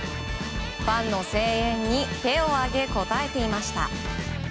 ファンの声援に手を上げ応えていました。